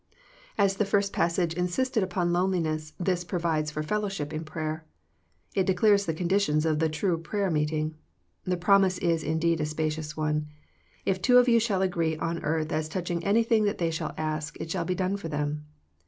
As the first passage insisted upon loneli ness, this provides for fellowship in prayer. It declares the conditions of the true prayer meeting. The promise is indeed a spacious one. " If two of you shall agree on earth as touching anything that they shall ask, it shall be done for them."